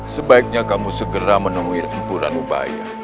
sebaiknya kamu segera menemui rambu ranubaya